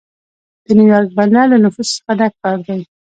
د نیویارک بندر له نفوسو څخه ډک ښار دی.